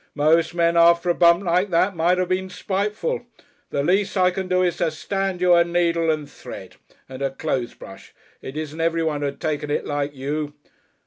Most men after a bump like that might have been spiteful. The least I can do is to stand you a needle and thread. And a clothes brush. It isn't everyone who'd have taken it like you.